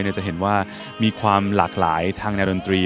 จะเห็นว่ามีความหลากหลายทางในดนตรี